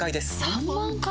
３万回⁉